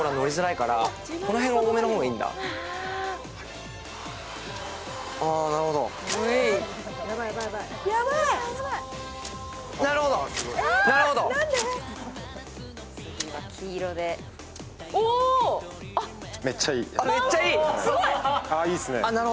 かわいいっすね。